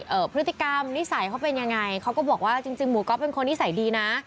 พฤติกรรมนิสัยเขาเป็นยังไงเขาก็บอกว่าจริงจริงหมูก๊อฟเป็นคนนิสัยดีนะ